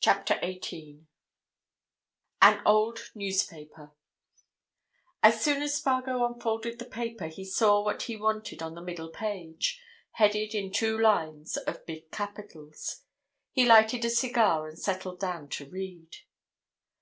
CHAPTER EIGHTEEN AN OLD NEWSPAPER As soon as Spargo unfolded the paper he saw what he wanted on the middle page, headed in two lines of big capitals. He lighted a cigar and settled down to read.